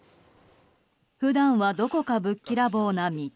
普段はどこかぶっきらぼうな三笘。